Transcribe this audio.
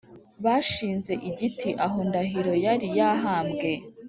bashinze igiti aho ndahiro yari yahambwe